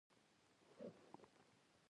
د حاصلاتو ذخیره کول د اقتصاد لپاره حیاتي دي.